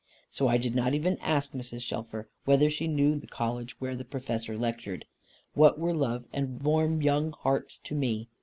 So I did not even ask Mrs. Shelfer whether she knew the College where the Professor lectured. What were love and warm young hearts to me?